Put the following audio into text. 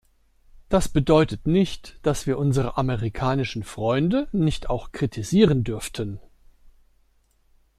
Das bedeutet nicht, dass wir unsere amerikanischen Freunde nicht auch kritisieren dürften.